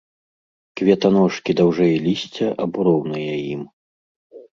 Кветаножкі даўжэй лісця або роўныя ім.